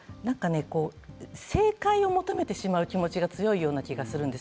正解を求めてしまう気持ちが強いような気がするんです。